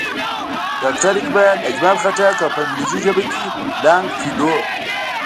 ډاکټر اقبال، اجمل خټک او پۀ انګريزي ژبه کښې لانګ فيلو